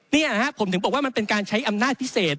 นี่นะครับผมถึงบอกว่ามันเป็นการใช้อำนาจพิเศษ